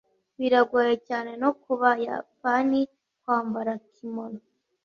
biragoye cyane no kubayapani kwambara kimono